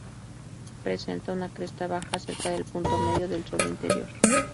Presenta una cresta baja cerca del punto medio del suelo interior.